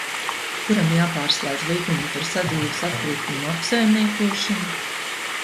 Kuram jāpārslēdz līgumu par sadzīves atkritumu apsaimniekošanu?